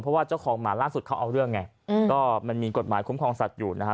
เพราะว่าเจ้าของหมาล่าสุดเขาเอาเรื่องไงก็มันมีกฎหมายคุ้มครองสัตว์อยู่นะฮะ